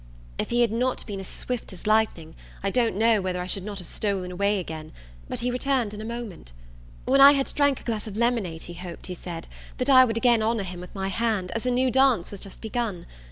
If he had not been as swift as lightning, I don't know whether I should not have stolen away again; but he returned in a moment. When I had drank a glass of lemonade, he hoped, he said, that I would again honour him with my hand, as a new dance was just begun.